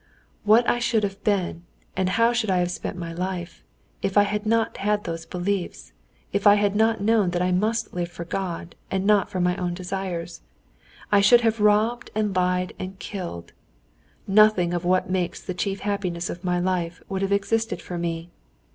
"What should I have been, and how should I have spent my life, if I had not had these beliefs, if I had not known that I must live for God and not for my own desires? I should have robbed and lied and killed. Nothing of what makes the chief happiness of my life would have existed for me."